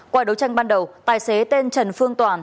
qua đấu tranh ban đầu tài xế tên trần phương toàn